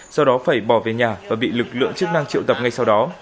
sau đó phải bỏ về nhà và bị lực lượng chức năng triệu tập ngay sau đó